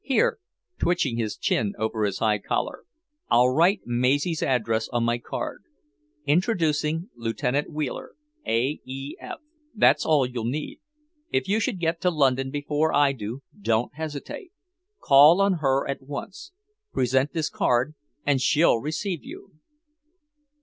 Here," twitching his chin over his high collar, "I'll write Maisie's address on my card: `Introducing Lieutenant Wheeler, A.E.F.' That's all you'll need. If you should get to London before I do, don't hesitate. Call on her at once. Present this card, and she'll receive you."